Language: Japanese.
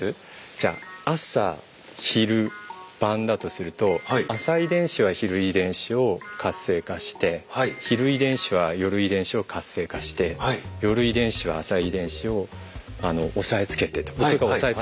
じゃ朝昼晩だとすると朝遺伝子は昼遺伝子を活性化して昼遺伝子は夜遺伝子を活性化して夜遺伝子は朝遺伝子をおさえつけてと僕がおさえつける役をしますね。